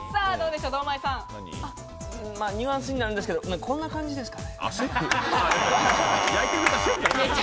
ニュアンスになるんですけれど、こんな感じですかね？